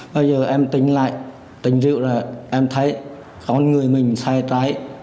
bây giờ em tỉnh lại tỉnh rượu rồi em thấy có người mình sai trái